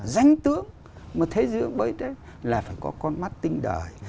danh tướng một thế giới bởi thế là phải có con mắt tinh đời